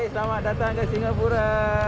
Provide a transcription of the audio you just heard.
selamat datang ke singapura